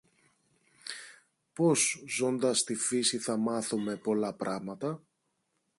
πως ζώντας στη φύση θα μάθομε πολλά πράματα;